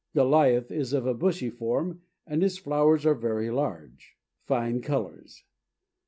Goliath is of a bushy form, and its flowers are very large. Fine colors.